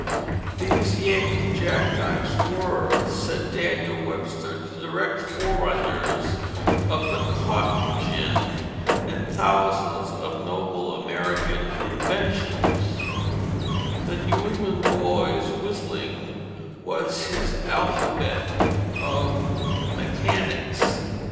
These Yankee jack knives were, said Daniel Webster, the direct forerunners of the cotton gin and thousands of noble American inventions; the New England boy's whittling was his alphabet of mechanics.